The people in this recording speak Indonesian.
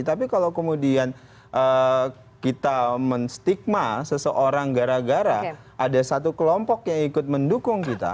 tapi kalau kemudian kita menstigma seseorang gara gara ada satu kelompok yang ikut mendukung kita